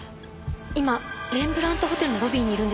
今レンブラントホテルのロビーにいるんですけど。